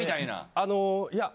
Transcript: あのいや。